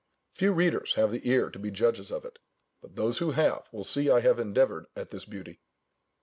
Few readers have the ear to be judges of it: but those who have, will see I have endeavoured at this beauty.